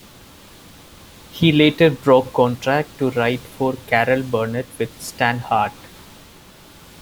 He later broke contract to write for Carol Burnett with Stan Hart.